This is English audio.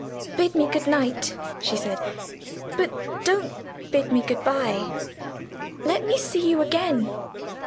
"Bid me good night," she said, "but don't bid me good by. Let me see you again."